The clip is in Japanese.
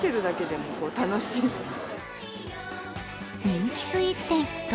人気スイーツ店